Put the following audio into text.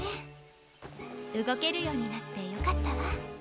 うごけるようになってよかったわ。